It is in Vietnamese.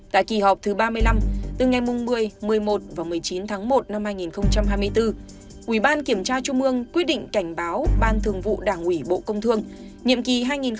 tại kỳ họp thứ ba mươi năm từ ngày một mươi một mươi một và một mươi chín tháng một năm hai nghìn hai mươi bốn ủy ban kiểm tra trung ương quyết định cảnh báo ban thường vụ đảng ủy bộ công thương nhiệm kỳ hai nghìn hai mươi hai nghìn hai mươi sáu